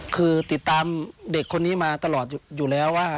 คือติดตามเด็กคนนี้มาตลอดอยู่แล้วว่า